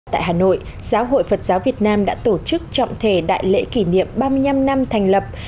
tại hà nội giáo hội phật giáo việt nam đã tổ chức trọng thể đại lễ kỷ niệm ba mươi năm năm thành lập